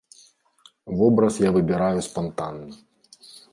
Вобраз я выбіраю спантанна.